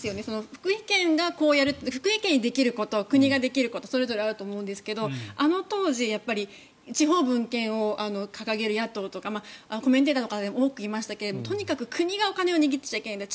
福井県がこうやる福井県ができること国ができることそれぞれあると思うんですけどあの当時地方分権を掲げる野党とかコメンテーターの方にも多くいましたがとにかく国がお金を握ってちゃいけないんだ